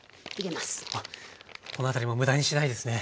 あっこの辺りも無駄にしないですね。